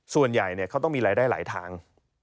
ส่วนใหญ่เขาต้องมีรายได้หลายทาง